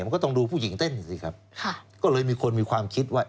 มันก็ต้องดูผู้หญิงเต้นสิครับค่ะก็เลยมีคนมีความคิดว่า